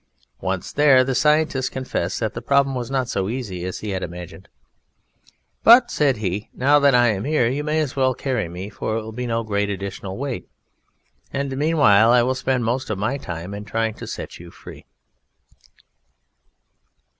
Once there the Scientist confessed that the problem was not so easy as he had imagined. "But," said he, "now that I am here, you may as well carry me, for it will be no great additional weight, and meanwhile I will spend most of my time in trying to set you free."